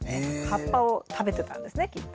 葉っぱを食べてたんですねきっと。